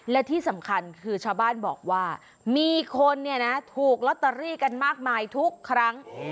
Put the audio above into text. และที่สำคัญคือชาวบ้านบอกว่ามีคนเนี่ยนะถูกลอตเตอรี่กันมากมายทุกครั้ง